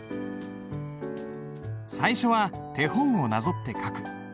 最初は手本をなぞって書く。